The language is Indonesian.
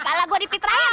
apalah gue dipitrain